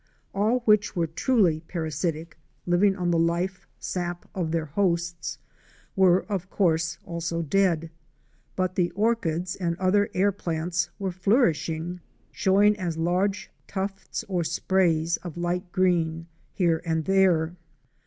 All those which were truly parasitic, living on the life sap of their hosts, were of course also dead, but the orchids and other air plants were flourishing — showing as large tufts or sprays of light green here and there.